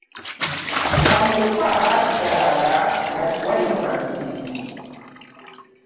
Bamulekwa baasigalanga nga tewali mwasirizi.